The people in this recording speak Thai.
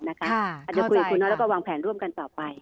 อาจจะคุยกับคุณน้อยแล้วก็วางแผนร่วมกันต่อไป